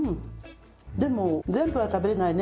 でも全部は食べられないね。